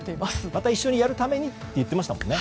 また一緒にやるためにって言ってましたもんね。